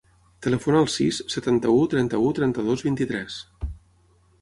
Telefona al sis, setanta-u, trenta-u, trenta-dos, vint-i-tres.